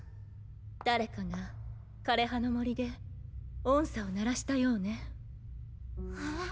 誰かが枯葉の森で音叉を鳴らしたようね。え？